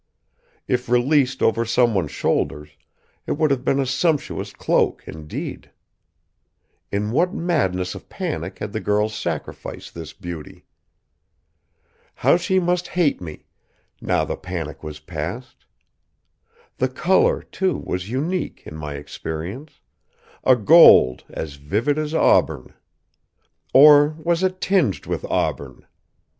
If released over someone's shoulders, it would have been a sumptuous cloak, indeed! In what madness of panic had the girl sacrificed this beauty? How she must hate me, now the panic was past! The color, too, was unique, in my experience; a gold as vivid as auburn. Or was it tinged with auburn?